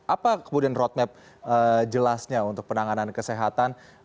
apa kemudian roadmap jelasnya untuk penanganan kesehatan